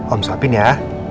om suapin ya